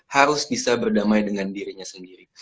harus bisa berdamai dengan dirinya sendiri